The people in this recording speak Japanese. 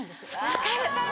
分かる！